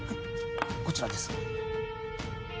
こちらです。